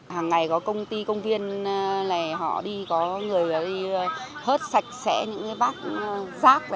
hằng ngày có công ty công viên này họ đi có người đi hớt sạch sẽ những bát rác